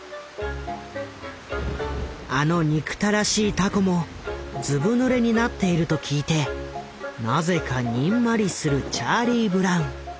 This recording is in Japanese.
あの憎たらしい凧もずぶぬれになっていると聞いてなぜかにんまりするチャーリー・ブラウン。